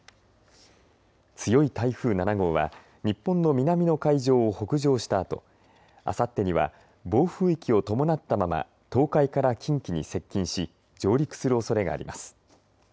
強い台風７号は日本の南の海上を北上したあとあさってには暴風域を伴ったまま東海から近畿に接近し上陸するおそれがあります。